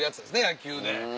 野球で。